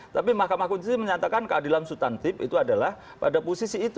tapi mahkamah konstitusi menyatakan keadilan subtantif itu adalah pada posisi itu